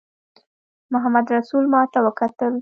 محمدرسول ماته وکتل.